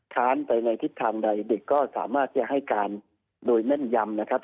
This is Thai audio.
ค้านไปในทิศทางใดเด็กก็สามารถจะให้การโดยแม่นยำนะครับ